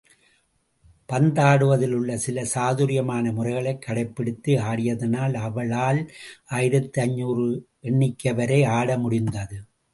பந்தாடுவதிலுள்ள சில சாதுரியமான முறைகளைக் கடைப்பிடித்து ஆடியதனால் அவளால் ஆயிரத்து ஐந்நூறு எண்ணிக்கைவரை ஆட முடிந்தது.